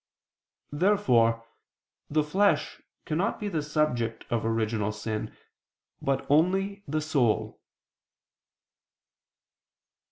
Therefore the flesh cannot be the subject of original sin, but only the soul.